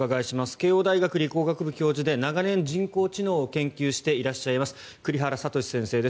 慶應義塾大学理工学部教授で長年、人工知能を研究していらっしゃいます栗原聡先生です